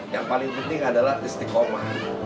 yang paling penting adalah listik koma